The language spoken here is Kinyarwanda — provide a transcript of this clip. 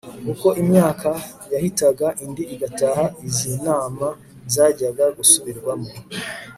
uko imyaka yahitaga indi igataha, izi nama zajyaga zisubirwamo